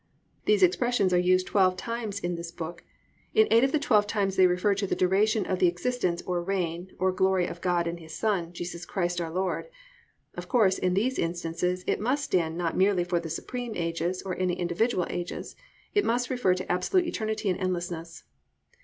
These expressions are used twelve times in this book. In eight of the twelve times they refer to the duration of the existence, or reign, or glory of God and His Son, Jesus Christ our Lord. Of course, in these instances it must stand not merely for the supreme ages, or any individual ages, it must refer to absolute eternity and endlessness.